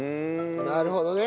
なるほどね。